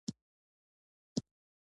هغه د نړۍ پر یوه ستره هستي باندې بدل شو